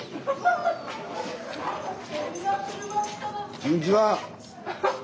こんにちは。